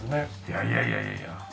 いやいやいやいやいや。